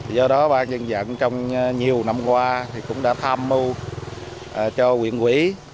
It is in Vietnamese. do đó bác dân dận trong nhiều năm qua cũng đã tham mưu cho huyện quỹ